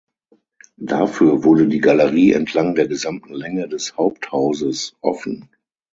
Dafür wurde die Galerie entlang der gesamten Länge des Haupthauses offen.